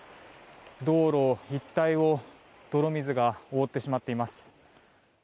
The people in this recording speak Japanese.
道路一帯を泥水が覆ってしまっています。